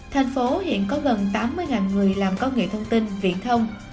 thành phố hiện có gần tám mươi người làm công nghệ thông tin viện thông